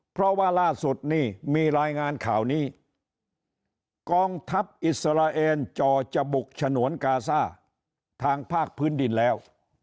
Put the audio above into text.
เพราะว่าล่าสุดนี่มีรายงานข่าวนี้กองทัพอิสราเอลจอจะบุกฉนวนกาซ่าทางภาคพื้นดินแล้ว